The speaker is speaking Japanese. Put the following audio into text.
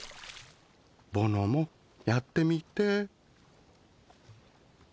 ぼのもやってみて。